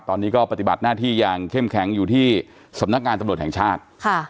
ตอนนี้ก็ปฏิบัติหน้าที่อย่างเข้มแข็งอยู่ที่สำนักงานตำรวจแห่งชาติ